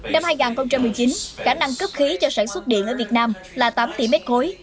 năm hai nghìn một mươi chín khả năng cấp khí cho sản xuất điện ở việt nam là tám tỷ m ba